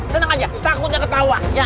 tenang aja takutnya ketawa